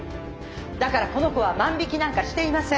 だからこの子は万引きなんかしていません。